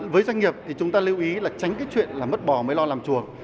với doanh nghiệp thì chúng ta lưu ý là tránh cái chuyện là mất bò mới lo làm chuồng